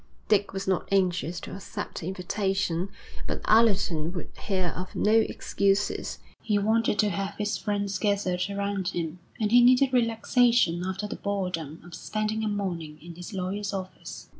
Dick was not anxious to accept the invitation, but Allerton would hear of no excuses. He wanted to have his friends gathered around him, and he needed relaxation after the boredom of spending a morning in his lawyer's office.